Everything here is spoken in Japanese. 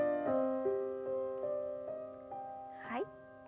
はい。